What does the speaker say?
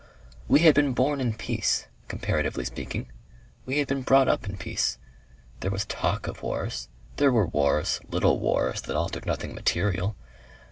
We had been born in peace, comparatively speaking; we had been brought up in peace. There was talk of wars. There were wars little wars that altered nothing material....